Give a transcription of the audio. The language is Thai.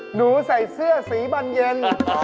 หนูใส่เสื้อสีบันเย็น